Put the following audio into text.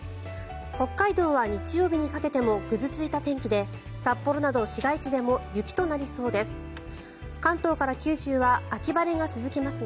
北海道は日曜日にかけてもぐずついた天気で札幌など市街地でも雪となりそうです。